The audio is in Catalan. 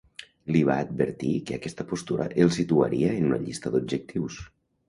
Li va advertir que aquesta postura el situaria en una llista d'objectius.